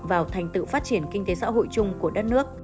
vào thành tựu phát triển kinh tế xã hội chung của đất nước